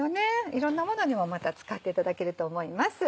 いろんなものにもまた使っていただけると思います。